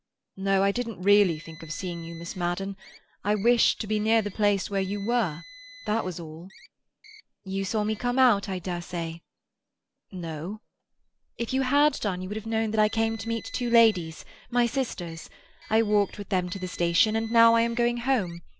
"No, I didn't really think of seeing you, Miss Madden. I wished to be near the place where you were, that was all." "You saw me come out I dare say." "No." "If you had done, you would have known that I came to meet two ladies, my sisters. I walked with them to the station, and now I am going home.